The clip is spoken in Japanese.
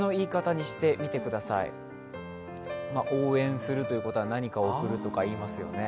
応援するということは、何かを贈るとかいいますよね？